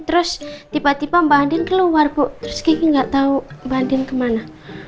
terus tiba tiba mbak andin keluar bu terus gigi gak tau mbak andin kemana